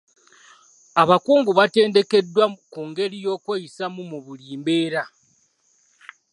Abakungu baatendekeddwa ku ngeri y'okweyisaamu mu buli mbeera .